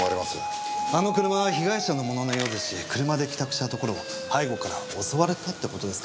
あの車は被害者のもののようですし車で帰宅したところを背後から襲われたって事ですかね。